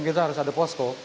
kita harus ada posko